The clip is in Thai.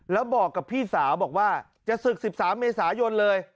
แล้วบอกกับพี่สาวบอกว่าจะศึก๑๓เมษายนเลย